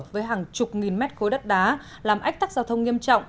với hàng chục nghìn mét khối đất đá làm ách tắc giao thông nghiêm trọng